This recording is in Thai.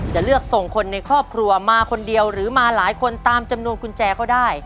จะเลือกส่งคนในครอบครัวมาคนเดียวหรือมาหลายคนตามจำนวนกุญแจเขาได้